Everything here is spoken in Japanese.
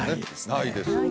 ないですね